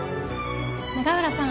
永浦さん